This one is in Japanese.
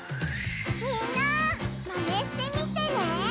みんなマネしてみてね！